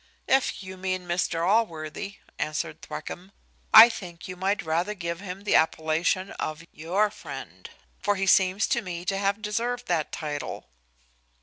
"If you mean Mr Allworthy," answered Thwackum, "I think you might rather give him the appellation of your friend; for he seems to me to have deserved that title."